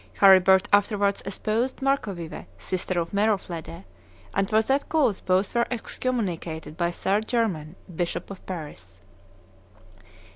Charibert afterwards espoused Marcovive, sister of Meroflede; and for that cause both were excommunicated by St. Germain, bishop of Paris.